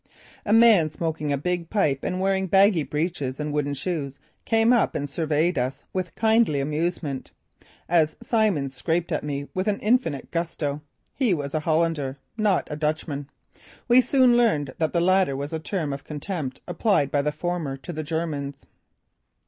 A man smoking a big pipe and wearing baggy breeches and wooden shoes came up and surveyed us with kindly amusement, as Simmons scraped at me with infinite gusto. He was a Hollander; not a "Dutchman." We soon learned that the latter was a term of contempt applied by the former to the Germans.